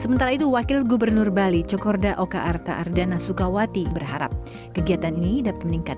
sementara itu wakil gubernur bali chokorda oka art'a ardana sukawaty berharap kegiatan ini